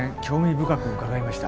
深く伺いました。